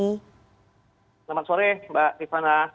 selamat sore mbak titi